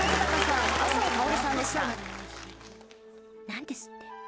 「何ですって？」